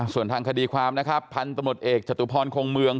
ส่วนทางคดีความนะครับพันธมตเอกจตุพรคงเมือง